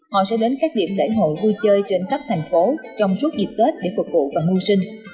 họ sẽ đến các điểm lễ hội vui chơi trên khắp thành phố trong suốt dịp tết để phục vụ và mưu sinh